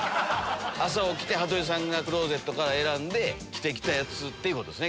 朝起きて羽鳥さんがクローゼットから選んで着てきたやつっていうことですね今日。